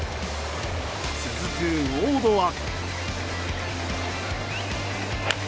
続くウォードは。